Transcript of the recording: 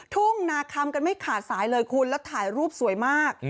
ทุ่งนาคำกันไม่ขาดสายเลยคุณแล้วถ่ายรูปสวยมาก